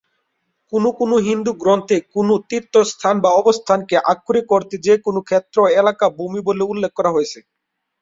কোনো কোনো হিন্দু গ্রন্থে কোনো তীর্থস্থান বা অবস্থানকে আক্ষরিক অর্থে যে কোনো "ক্ষেত্র, এলাকা, ভূমি" বলে উল্লেখ করা হয়েছে।